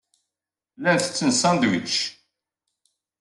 Llan ttetten ṣandwič.